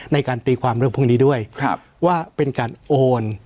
ในการตีความเรื่องพวกนี้ด้วยว่าเป็นการโอน